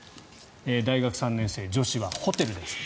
大学３年生、女子はホテルです。